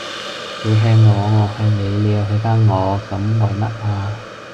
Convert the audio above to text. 你 hea 我，我 hea 你，你又 hea 返我，咁為乜吖